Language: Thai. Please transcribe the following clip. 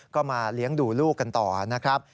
ก็มาเลี้ยงดูลูกกันต่อนะครับ